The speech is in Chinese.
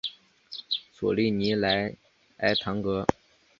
索利尼莱埃唐格。